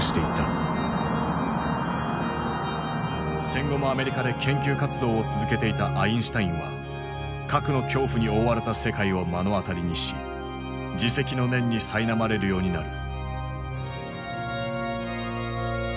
戦後もアメリカで研究活動を続けていたアインシュタインは核の恐怖に覆われた世界を目の当たりにし自責の念にさいなまれるようになる。